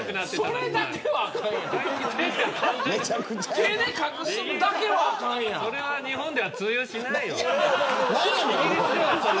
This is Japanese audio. それは日本では通用しないよ。